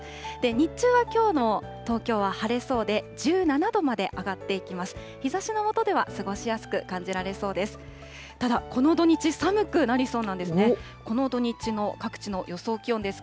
日中はきょうの東京は晴れそうで、１７度まで上がっていきます。